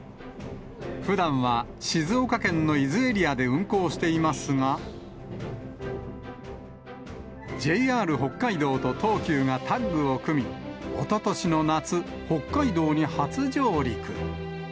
ふだんは静岡県の伊豆エリアで運行していますが、ＪＲ北海道と東急がタッグを組み、おととしの夏、北海道に初上陸。